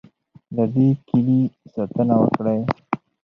د دې کیلي ساتنه وکړئ.